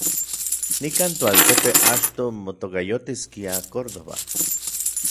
Nikan toaltepe achto motokayotiskia Córdoba.